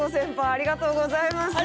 ありがとうございます。